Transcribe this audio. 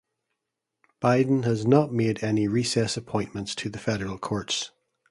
Biden has not made any recess appointments to the federal courts.